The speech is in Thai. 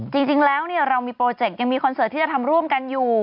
จริงแล้วเรามีโปรเจกต์ยังมีคอนเสิร์ตที่จะทำร่วมกันอยู่